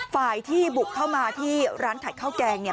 ฝ่ายที่บุกเข้ามาที่ร้านขายข้าวแกงเนี่ย